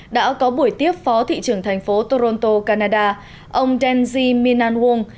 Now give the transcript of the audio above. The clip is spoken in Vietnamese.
đã có buổi tiếp phó thị trưởng thành phố toronto canada ông denzi minanwong